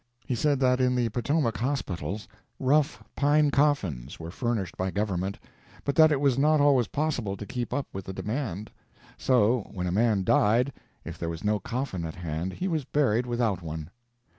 He said that in the Potomac hospitals rough pine coffins were furnished by government, but that it was not always possible to keep up with the demand; so, when a man died, if there was no coffin at hand he was buried without one.